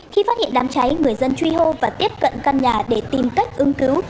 khi phát hiện đám cháy người dân truy hô và tiếp cận căn nhà để tìm cách ưng cứu